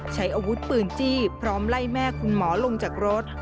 ใช้อาวุธปืนจี้พร้อมไล่แม่คุณหมอลงจากรถ